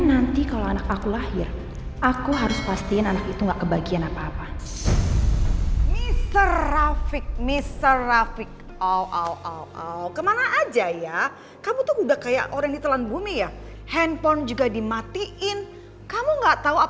sampai jumpa di video selanjutnya